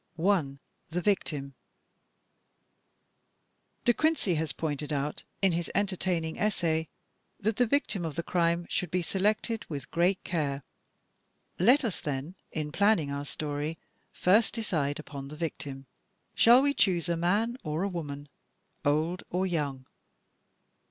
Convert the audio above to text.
I. The Victim De Quincey has pointed out, in his entertaining essay, that the victim of the crime should be selected with great care. Let us then, in planning our story, first decide upon the vic tim. Shall we choose a man or a woman — old or young?